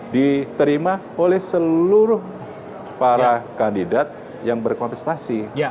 diterima oleh seluruh para kandidat yang berkontestasi